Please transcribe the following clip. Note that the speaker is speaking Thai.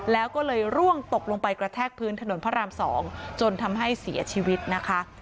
แล้วก็เลยร่วงตกลงไปกระแทกพื้นถนนพระราม๒จนทำให้เสียชีวิตนะคะ